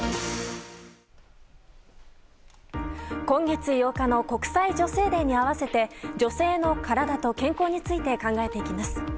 今月８日の国際女性デーに合わせて女性の体と健康について考えていきます。